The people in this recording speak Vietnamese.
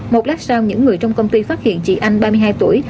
một lát sao những người trong công ty phát hiện chị anh ba mươi hai tuổi